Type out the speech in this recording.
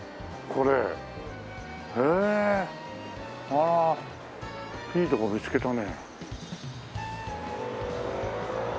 ああいいとこ見つけたね。